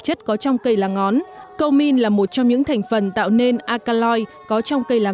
chất có trong cây là ngón cầu min là một trong những thành phần tạo nên alkaloid có trong cây lá